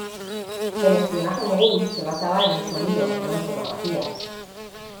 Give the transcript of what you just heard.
El espionaje Mogul se basaba en el sonido, no en fotografías.